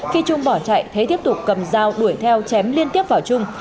khi trung bỏ chạy thế tiếp tục cầm dao đuổi theo chém liên tiếp vào trung